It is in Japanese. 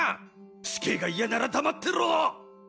死刑が嫌なら黙ってろ！